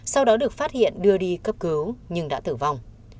sau đó được phát hiện đưa đi cấp cứu nhưng đã tử vong